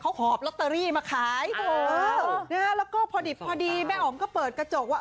เขาหอบลอตเตอรี่มาขายนะฮะแล้วก็พอดิบพอดีแม่อ๋อมก็เปิดกระจกว่า